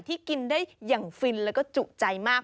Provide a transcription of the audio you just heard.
ที่กินได้อย่างฟินแล้วก็จุใจมาก